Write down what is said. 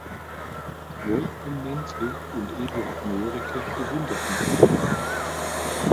Wolfgang Menzel und Eduard Mörike bewunderten es.